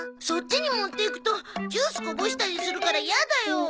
そっちに持っていくとジュースこぼしたりするからイヤだよ。